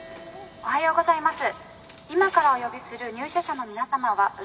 おはようございます。